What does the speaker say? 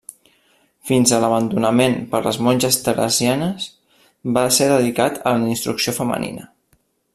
Fins a l'abandonament per les monges Teresianes, va ser dedicat a la instrucció femenina.